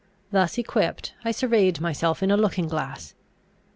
Thus equipped, I surveyed myself in a looking glass.